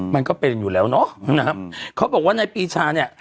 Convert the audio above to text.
มันก็เป็นอยู่แล้วเนาะนะครับเขาบอกว่าในปีชาเนี่ย